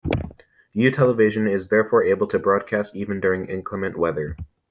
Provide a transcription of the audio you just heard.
U television is therefore able to broadcast even during inclement weather.